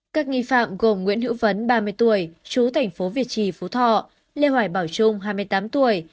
các nghi phạm gồm nguyễn hữu vấn ba mươi tuổi chú thành phố việt trì phú thọ lê hoài bảo trung hai mươi tám tuổi